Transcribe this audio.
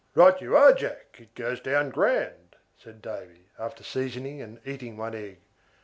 "Right you are, Jack; it goes down grand," said Davy, after seasoning and eating one egg.